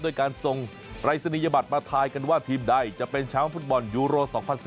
ด้วยการส่งปรายศนียบัตรมาทายกันว่าทีมใดจะเป็นแชมป์ฟุตบอลยูโร๒๐๑๙